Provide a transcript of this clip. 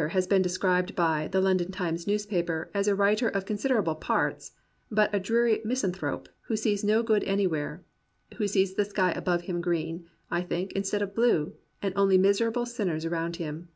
. has been described by The London Times newspaper as a writer of considerable parts, but a dreary misanthrope, who sees no good anywhere, who sees the sky above him green, I think, instead of blue, and only miserable sinners around him.